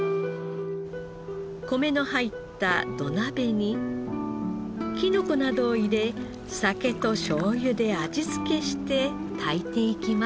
米の入った土鍋にきのこなどを入れ酒としょうゆで味付けして炊いていきます。